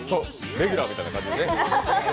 レギュラーみたいな感じでね。